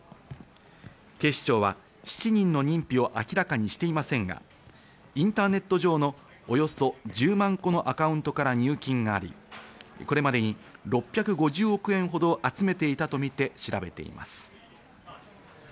警視庁は７人の認否を明らかにしていませんがインターネット上のおよそ１０万個のアカウントから入金があり、これまでに６５０億円ほどを集めていたとみて調べています。